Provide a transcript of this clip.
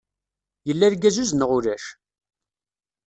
Yella lgazuz neɣ ulac?